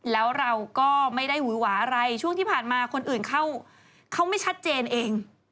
แล้วเราก็ไม่ได้หวือหวาอะไรช่วงที่ผ่านมาคนอื่นเข้าเขาไม่ชัดเจนเอง